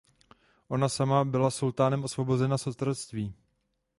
Ona sama byla sultánem osvobozena z otroctví.